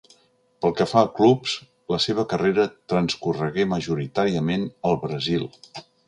Pel que fa a clubs, la seva carrera transcorregué majoritàriament al Brasil.